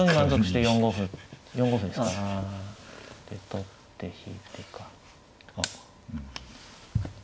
で取って引いてか。